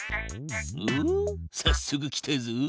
おっさっそく来たぞ。